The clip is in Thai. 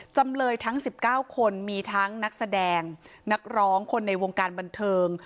จำเลยทั้ง๑๙คนมีทั้งนักแสดงนักร้องคนในวงการบันเทิง